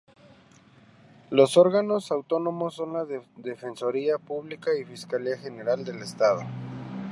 Los órganos autónomos son la Defensoría Pública y la Fiscalía General del Estado.